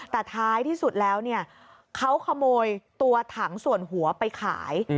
แต่ท้ายที่สุดแล้วเนี่ยเขาขโมยตัวถังส่วนหัวไปขาย